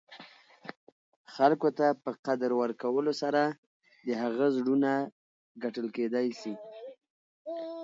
خلګو ته په قدر ورکولو سره، د هغه زړونه ګټل کېداى سي.